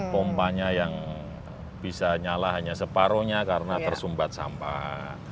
pompanya yang bisa nyala hanya separohnya karena tersumbat sampah